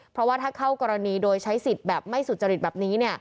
เพราะว่าถ้าเข้ากรณีโดยใช้สิทธิ์แบบไม่สุจริตแบบนี้